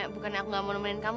bukannya aku nggak mau nemenin kamu